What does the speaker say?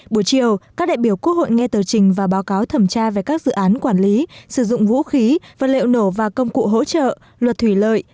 buổi chiều các đại biểu quốc hội nghe tờ trình và báo cáo thẩm tra về các dự án quản lý sử dụng vũ khí vật liệu nổ và công cụ hỗ trợ luật thủy lợi